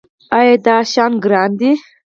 ایا دا شیان ګران دي؟